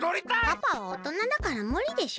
パパはおとなだからむりでしょ。